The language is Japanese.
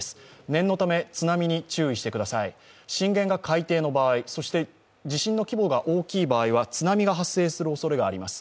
念のため、津波に注意してください震源が海底の場合そして地震の規模が大きい場合は津波が発生するおそれがあります。